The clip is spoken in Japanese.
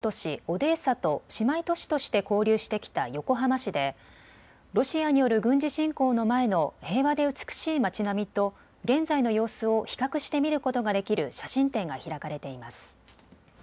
ウクライナ南部の港湾都市オデーサと姉妹都市として交流してきた横浜市でロシアによる軍事侵攻の前の平和で美しい町並みと現在の様子を比較して見ることができる写真展が開かれています。